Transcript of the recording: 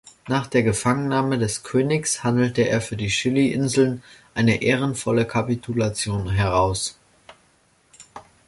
Nach der Gefangennahme des Königs handelte er für die Scilly-Inseln eine ehrenvolle Kapitulation heraus.